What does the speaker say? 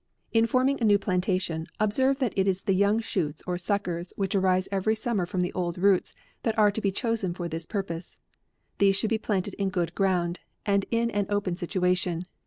" In forming a new plantation, observe that it is the young shoots or suckers which arise every summer from the old roots, that are to be chosen for this purpose. These should be planted in good ground, and in an open situ ation.